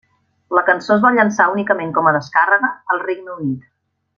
La cançó es va llançar únicament com a descàrrega, al Regne Unit.